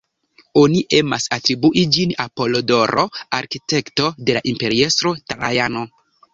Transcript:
Oni emas atribui ĝin al Apolodoro, arkitekto de la imperiestro Trajano.